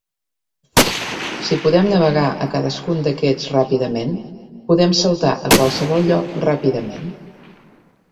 Si podem navegar a cadascun d'aquests ràpidament, podem saltar a qualsevol lloc ràpidament.